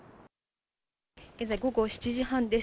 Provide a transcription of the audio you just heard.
現在、午後７時半です。